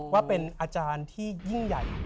ว่าเป็นอาจารย์ที่ยิ่งใหญ่